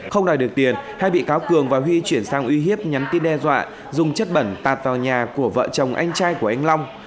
không đòi được tiền hai bị cáo cường và huy chuyển sang uy hiếp nhắn tin đe dọa dùng chất bẩn tạt vào nhà của vợ chồng anh trai của anh long